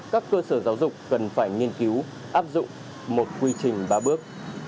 các cơ sở giáo dục cần phải nghiên cứu áp dụng một quy trình ba bước